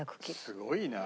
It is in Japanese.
すごいな。